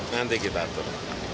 nanti kita atur